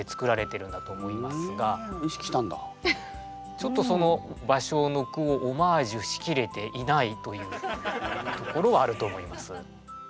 ちょっとその芭蕉の句をオマージュしきれていないというところはあると思います。